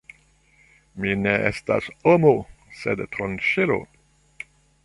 Mi ne estas homo, sed tranĉilo!